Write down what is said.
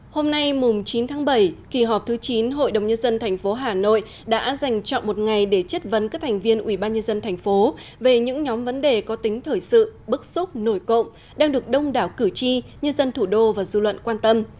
hôm nay chín tháng bảy kỳ họp thứ chín hội đồng nhân dân thành phố hà nội đã dành chọn một ngày để chất vấn các thành viên ubnd tp về những nhóm vấn đề có tính thời sự bức xúc nổi cộm đang được đông đảo cử tri nhân dân thủ đô và dư luận quan tâm